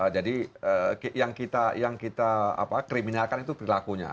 jadi yang kita kriminalkan itu perilakunya